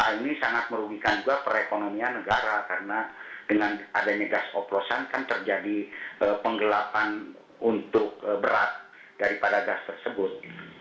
dan hal ini sangat merugikan juga perekonomian negara karena dengan adanya gas oklosan kan terjadi penggelapan untuk berat daripada gas tersebut